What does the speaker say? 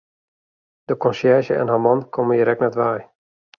De konsjerzje en har man komme hjir ek net wei.